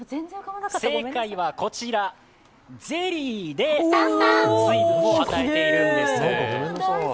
正解はこちら、ゼリーで水分を与えているんですね。